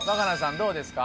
どうですか？